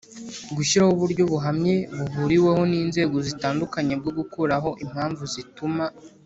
Gushyiraho uburyo buhamye buhuriweho n inzego zitandukanye bwo gukuraho impamvu zituma